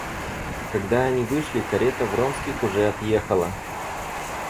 Когда они вышли, карета Вронских уже отъехала.